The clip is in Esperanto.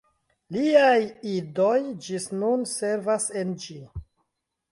Liaj idoj ĝis nun servas en ĝi.